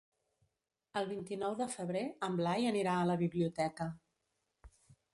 El vint-i-nou de febrer en Blai anirà a la biblioteca.